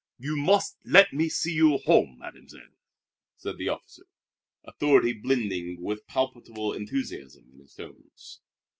"You must let me see you home, Mademoiselle," said the officer, authority blending with palpable enthusiasm in his tones.